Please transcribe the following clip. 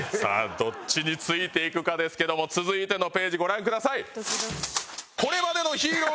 どっちについていくかですけども続いてのページご覧ください。